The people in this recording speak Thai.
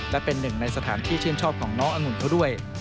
และเป็นหนึ่งในสถานที่ชื่นชอบของน้ององุ่นเขาด้วย